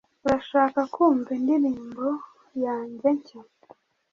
Urashaka kumva indirimbo yanjye nshya